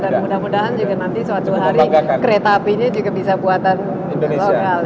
mudah mudahan juga nanti suatu hari kereta apinya juga bisa buatan lokal